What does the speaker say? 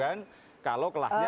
kalau kelasnya kelas bulu dan puluh